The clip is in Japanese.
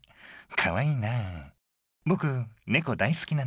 かわいいな。